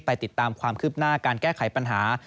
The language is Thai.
ติดตามความคืบหน้าการแก้ไขปัญหา